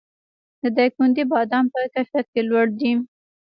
د دایکنډي بادام په کیفیت کې لوړ دي